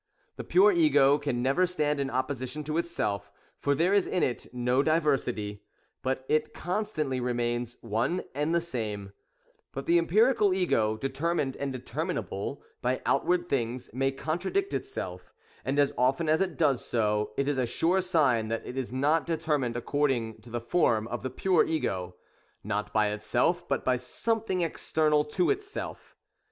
The pure Ego can never stand in opposition to itself, for there is in it no diversity, but it constantly remains one and the same ; but the empirical Ego, determined and determinable by outward things, may contradict itself; and as often as it does so, it is a sure sign that it is not determined according to the form of the pure Ego, — not by itself, but by something external to itself.